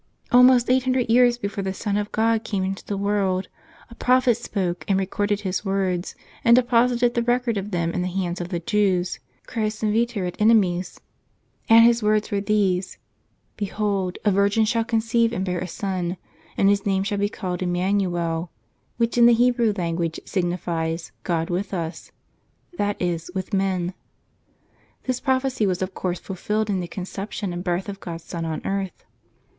" Almost 800 years before the Son of God came into the world, a prophet spoke, and recorded his words, and deposited the record of them in the hands of the Jews, Christ's inveter ate enemies; and his words were these: 'Behold, a Virgin shall conceive and bear a Son, and His name shall be called Emanuel,'* which in the Hebrew language signifies 'God with us,' that is with men. " This prophecy was of course fulfilled in the conception and birth of God's Son on earth."